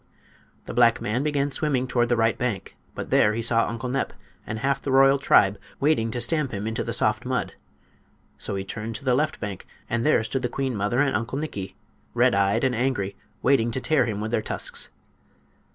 The black man began swimming toward the right bank, but there he saw Uncle Nep and half the royal tribe waiting to stamp him into the soft mud. So he turned toward the left bank, and there stood the queen mother and Uncle Nikki, red eyed and angry, waiting to tear him with their tusks.